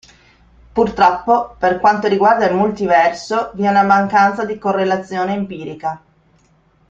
Purtroppo, per quanto riguarda il "multiverso" vi è una mancanza di correlazione empirica.